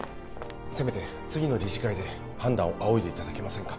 せめて次の理事会で判断を仰いでいただけませんか？